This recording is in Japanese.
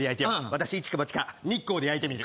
私一か八か日光で焼いてみる